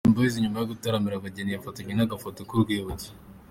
Dream boys nyuma yo gutaramira abageni bafatanye agafoto k'urwibutso.